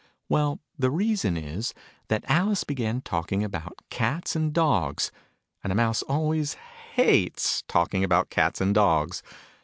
Well, the reason is, that Alice began talking about cats and dogs : and a Mouse always hates talking about cats and dogs!